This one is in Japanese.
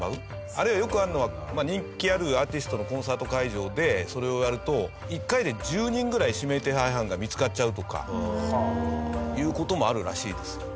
あるいはよくあるのは人気あるアーティストのコンサート会場でそれをやると１回で１０人ぐらい指名手配犯が見つかっちゃうとかいう事もあるらしいです。